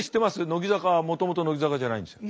乃木坂はもともと乃木坂じゃないんですよ。